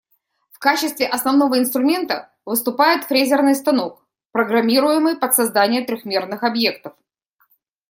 В качестве основного инструмента выступает фрезерный станок, программируемый под создание трёхмерных объектов.